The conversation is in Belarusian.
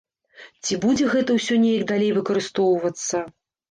Ці будзе гэта ўсё неяк далей выкарыстоўвацца?